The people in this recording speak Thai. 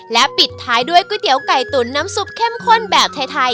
และปิดท้ายด้วยก๋วยเตี๋ยวไก่ตุ๋นน้ำซุปเข้มข้นแบบไทย